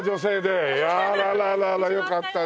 あららららよかったね。